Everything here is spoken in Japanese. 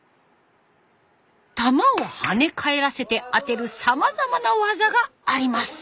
球をはね返らせて当てるさまざまな技があります。